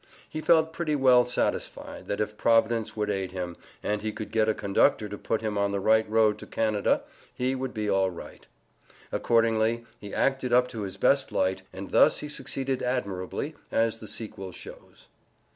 He felt pretty well satisfied, that if Providence would aid him, and he could get a conductor to put him on the right road to Canada, he would be all right. Accordingly, he acted up to his best light, and thus he succeeded admirably, as the sequel shows.